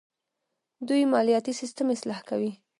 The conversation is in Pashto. دوی مالیاتي سیستم اصلاح کوي.